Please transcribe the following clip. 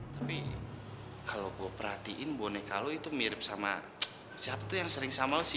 tapi kalau gue perhatiin boneka lo itu mirip sama siapa tuh yang sering sambel sih